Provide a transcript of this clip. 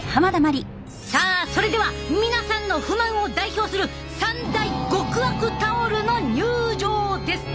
さあそれでは皆さんの不満を代表する３大極悪タオルの入場です！